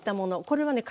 これはね